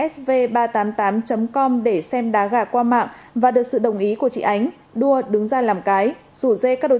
sv ba trăm tám mươi tám com để xem đá gà qua mạng và được sự đồng ý của chị ánh đua đứng ra làm cái rủ dê các đối